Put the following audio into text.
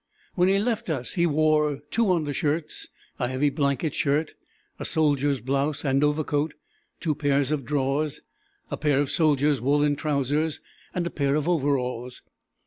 When he left us he wore two undershirts, a heavy blanket shirt, a soldier's blouse and overcoat, two pairs of drawers, a pair of soldier's woolen trousers, and a pair of overalls.